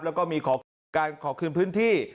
แล้วก็มีการขอคืนพื้นที่